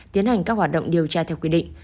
tiến hành các hoạt động điều tra theo quy định